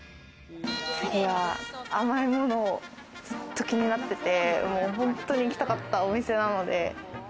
次は甘いものを、ずっと気になってて、本当に行きたかったお店なので。